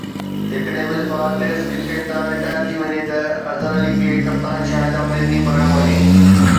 جيڪڏهن Misbah test cricket تان retire ٿي وڃي ته اظهر علي کي ڪپتان شاهد آفريدي بڻايو وڃي